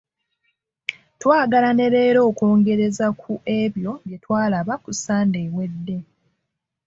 Twagala ne leero okwongereza ku ebyo bye twalaba ku Ssande ewedde.